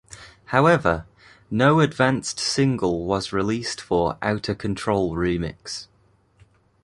However, no advanced single was released for "Outta Control Remix".